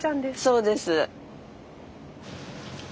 そうです。